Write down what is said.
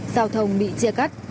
giao thông bị chia cắt